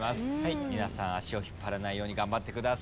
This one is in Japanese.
皆さん足を引っ張らないように頑張ってください。